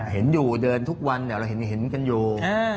เห็นอยู่เดินทุกวันเราเห็นกันอยู่